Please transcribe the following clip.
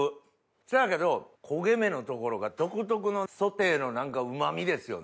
そやけど焦げ目の所が独特のソテーの何かうま味ですよね。